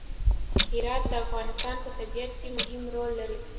هرات د افغانستان په طبیعت کې مهم رول لري.